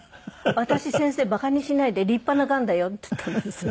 私「先生馬鹿にしないで」「立派ながんだよ」って言ったんですよ。